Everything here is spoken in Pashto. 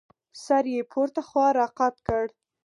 سر يې پورته خوا راقات کړ.